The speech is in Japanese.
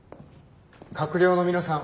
閣僚の皆さん